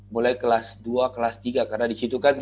mulai kelas dua kelas tiga karena disitu kan